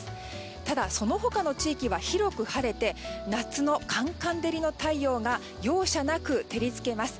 ただその他の地域は広く晴れて夏のカンカン照りの太陽が容赦なく照りつけます。